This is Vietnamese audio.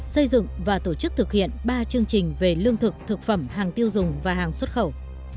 xây dựng và tổ chức thực hiện ba chương trình về lương thực thực phẩm hàng tiêu dùng và hàng xuất khẩu